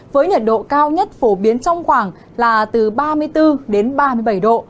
với nhiệt độ cao nhất phổ biến trong khoảng là từ ba mươi bốn đến ba mươi bảy độ